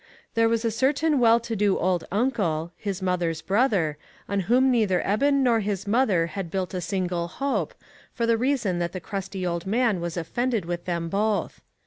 There was a certain well to do old uncle, his mother's brother, on whom neither Eben nor his mother had built a single hope, for the reason that the crusty old man was offended with them both.